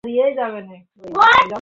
আর কতো লাগাবে!